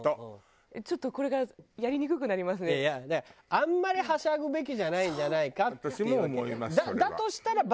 あんまりはしゃぐべきじゃないんじゃないかっていう。